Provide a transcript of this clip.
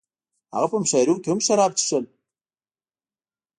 هغه په مشاعرو کې هم شراب څښل